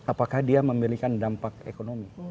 apakah dia memiliki dampak ekonomi